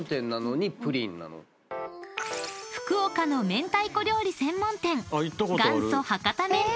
［福岡の明太子料理専門店］